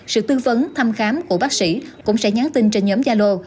sự tư vấn thăm khám của bác sĩ cũng sẽ nhắn tin trên nhóm yalo